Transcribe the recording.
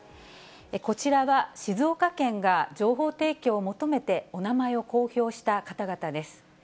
こちらは静岡県が情報提供を求めてお名前を公表した方々です。